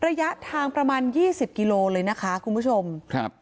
ระยะทางประมาณยี่สิบกิโลเลยนะคะคุณผู้ชมครับ